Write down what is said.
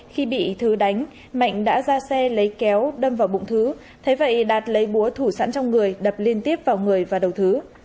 khi bị thứ đánh mạnh đã ra xe lấy kéo đâm vào bụng thứ thế vậy đạt lấy búa thủ sẵn trong người đập liên tiếp vào người và đầu thứ